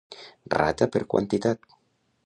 Rata per quantitat.